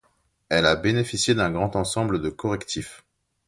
Elle a bénéficié d'un grand ensemble de correctifs.